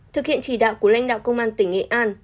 thực hiện chỉ đạo của lãnh đạo công an tỉnh nghệ an